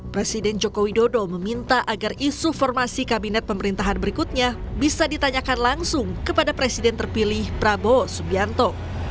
presiden joko widodo meminta agar isu formasi kabinet pemerintahan berikutnya bisa ditanyakan langsung kepada presiden terpilih prabowo subianto